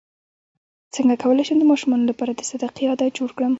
څنګه کولی شم د ماشومانو لپاره د صدقې عادت جوړ کړم